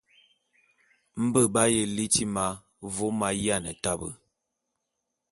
Mbé b'aye liti ma vôm m'ayiane tabe.